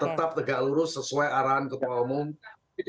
tetap tegak lurus sesuai arahan ketua umum pdi perjuangan